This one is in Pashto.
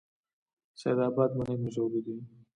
سید اباد مڼې مشهورې دي؟